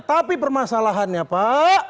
tapi permasalahannya pak